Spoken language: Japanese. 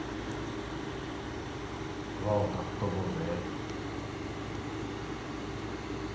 和をたっとぼうぜ。